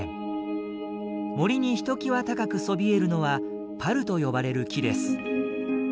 森にひときわ高くそびえるのは「パル」と呼ばれる木です。